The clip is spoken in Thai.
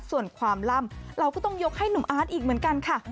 ส่วนความล่ำเราก็ต้องยกให้หนุ่มอาร์ตอีกเหมือนกันค่ะ